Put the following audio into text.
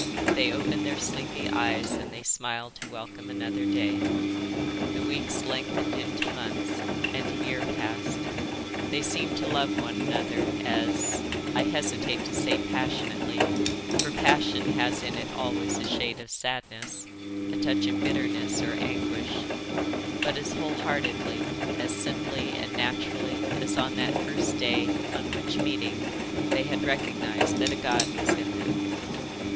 They opened their sleepy eyes and they smiled to welcome another day. The weeks lengthened into months, and a year passed. They seemed to love one another as—I hesitate to say passionately, for passion has in it always a shade of sadness, a touch of bitterness or anguish, but as whole heartedly, as simply and naturally as on that first day on which, meeting, they had recognised that a god was in them."